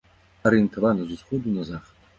Арыентавана з усходу на захад.